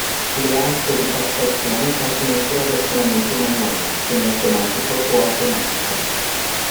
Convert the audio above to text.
Le aste di captazione possono essere ad azionamento manuale, semi-automatico o automatico.